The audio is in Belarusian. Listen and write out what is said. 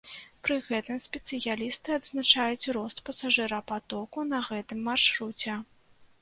Пры гэтым спецыялісты адзначаюць рост пасажырапатоку на гэтым маршруце.